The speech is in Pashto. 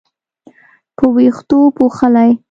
په وېښتو پوښلې